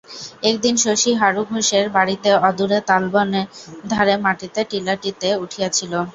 একদিন শশী হারু ঘোষের বাড়ির অদূরে তালবনের ধারে মাটির টিলাটিতে উঠিয়াছিল।